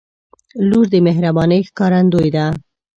• لور د مهربانۍ ښکارندوی ده.